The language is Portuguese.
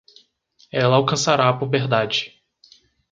Ela alcançará a puberdade